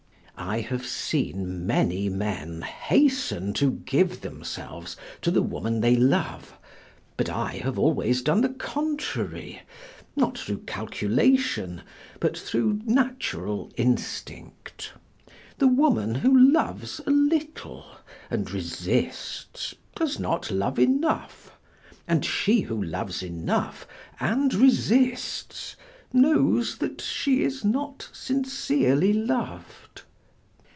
I have seen many men hasten to give themselves to the woman they love, but I have always done the contrary, not through calculation, but through natural instinct. The woman who loves a little and resists does not love enough, and she who loves enough and resists knows that she is not sincerely loved.